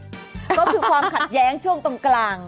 ก็คือความขัดแย้งช่วงตรงกลาง